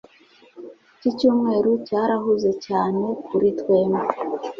iki cyumweru cyarahuze cyane kuri twembi